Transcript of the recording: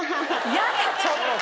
やだちょっと。